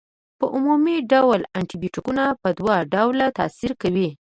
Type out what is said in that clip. په عمومي ډول انټي بیوټیکونه په دوه ډوله تاثیر کوي.